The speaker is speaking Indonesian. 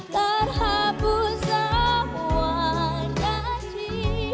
terhapus semua janji